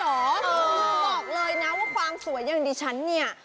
บอกเลยนะว่าความสวยอย่างดิฉันเนี่ย